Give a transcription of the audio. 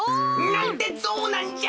なんでゾウなんじゃ！